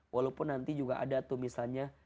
walaupun nanti juga ada tuh misalnya